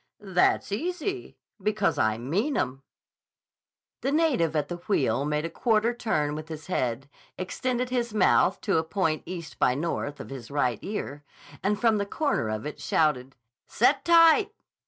"That's easy. Because I mean 'em." The native at the wheel made a quarter turn with his head, extended his mouth to a point east by north of his right ear, and from the corner of it shouted: "Set tight.